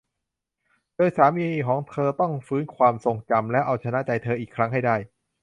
โดยสามีของเธอต้องฟื้นความทรงจำและเอาชนะใจเธออีกครั้งให้ได้